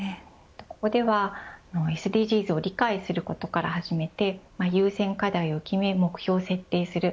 ここでは、ＳＤＧｓを理解することから始めて優先課題を決め目標を設定する。